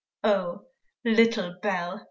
Oh, little Belle!